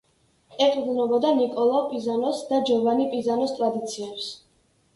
ეყრდნობოდა ნიკოლო პიზანოს და ჯოვანი პიზანოს ტრადიციებს.